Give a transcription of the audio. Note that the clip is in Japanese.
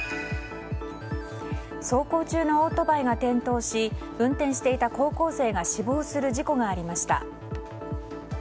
走行中のオートバイが転倒し運転していた高校生が死亡する事故がありました。